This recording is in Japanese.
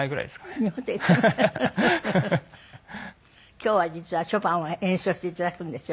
今日は実はショパンを演奏して頂くんですよ